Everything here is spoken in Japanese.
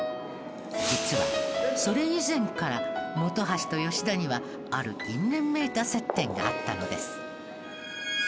実はそれ以前から本橋と吉田にはある因縁めいた接点があったのです。